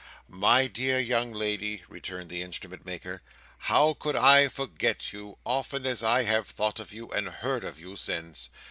"My dear young lady," returned the Instrument maker, "how could I forget you, often as I have thought of you and heard of you since!